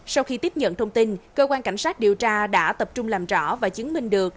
sau khi tiếp nhận thông tin cơ quan cảnh sát điều tra đã tập trung làm rõ và chứng minh được